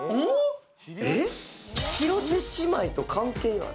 広瀬姉妹と関係がある？